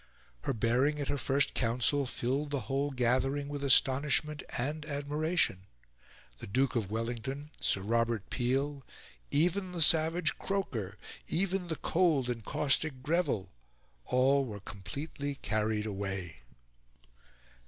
Her bearing at her first Council filled the whole gathering with astonishment and admiration; the Duke of Wellington, Sir Robert Peel, even the savage Croker, even the cold and caustic Greville all were completely carried away.